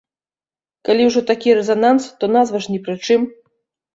Калі ўжо такі рэзананс, то назва ж ні пры чым.